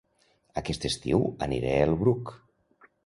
Aquest estiu aniré a El Bruc